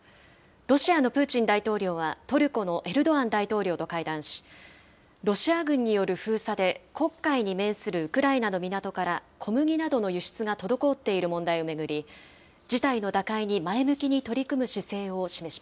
ロシアのプーチン大統領はトルコのエルドアン大統領と会談し、ロシア軍による封鎖で黒海に面するウクライナの港から小麦などの輸出が滞っている問題を巡り、事態の打開に前向きに取り組む姿勢